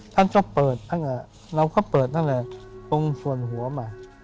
ท่านจะเปิดท่านก็เปิดตั้งแต่ตรงส่วนหัวมา